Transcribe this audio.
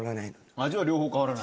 味は両方変わらない。